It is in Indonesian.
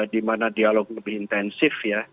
di mana dialog lebih intensif ya